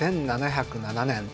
１７０７年